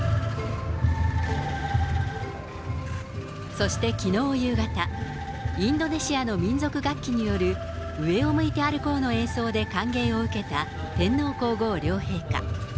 そしてきのう夕方、インドネシアの民族楽器による上を向いて歩こうの演奏で歓迎を受けた天皇皇后両陛下。